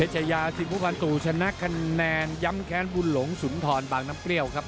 ชนะกันแนนย้ำแค้นบุญหลงสุนทรบางน้ำเกรี้ยวครับ